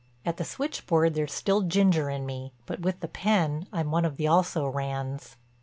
At the switchboard there's still ginger in me, but with the pen I'm one of the "also rans."